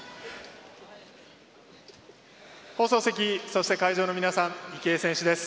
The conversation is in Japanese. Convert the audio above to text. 放送席、そして会場の皆さん池江選手です。